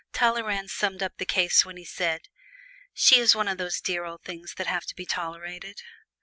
Talleyrand summed up the case when he said, "She is one of those dear old things that have to be tolerated."